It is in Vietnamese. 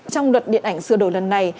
trong luật điện ảnh sửa đổi lần này